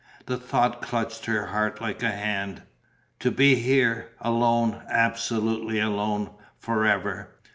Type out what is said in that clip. The thought clutched her heart like a hand. To be here, alone, absolutely alone, forever!